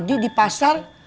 tadi di pasar